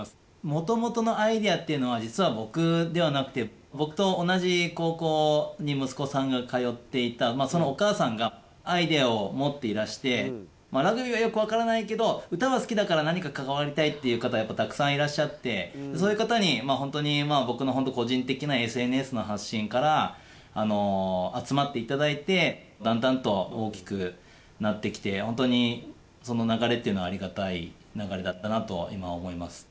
もともとのアイデアっていうのは実は僕ではなくて僕と同じ高校に息子さんが通っていたそのお母さんがアイデアを持っていらしてラグビーはよく分からないけど歌は好きだから何か関わりたいっていう方がやっぱたくさんいらっしゃってそういう方に僕の個人的なＳＮＳの発信から集まって頂いてだんだんと大きくなってきて本当にその流れっていうのはありがたい流れだったなと今思います。